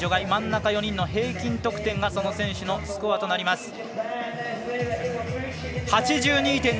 真ん中４人の平均得点がその選手のスコアとなります。